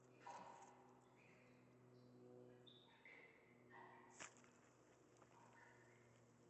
Encontrando algunos viejos edificios, abandonados Parker abre fuego y los destruye completamente.